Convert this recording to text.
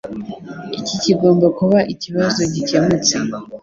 Iki kigomba kuba ikibazo gikemutse.